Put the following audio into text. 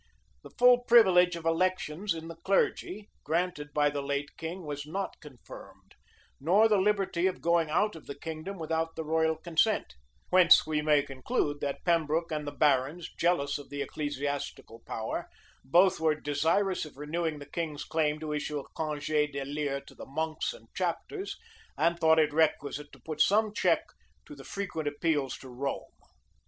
[*] The full privilege of elections in the clergy, granted by the late king, was not confirmed, nor the liberty of going out of the kingdom without the royal consent: whence we may conclude, that Pembroke and the barons, jealous of the ecclesiastical power, both were desirous of renewing the king's claim to issue a congé d'élire to the monks and chapters, and thought it requisite to put some check to the frequent appeals to Rome.